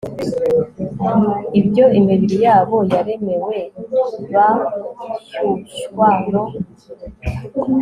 ibyo imibiri yabo yaremewe bashyushywa no